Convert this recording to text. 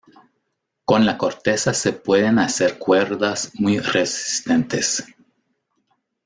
Con la corteza se pueden hacer cuerdas muy resistentes.